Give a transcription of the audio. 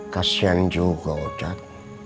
kasihan juga ucap